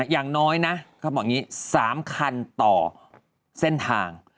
อย่างน้อยนะเขาบอกอย่างนี้๓คันต่อเส้นทาง